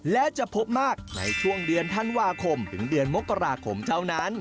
และจะพบมากในช่วงเดือนธันวาคมถึงเดือนมกราคมเท่านั้น